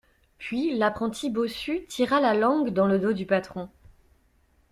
Puis l'apprenti bossu tira la langue dans le dos du patron.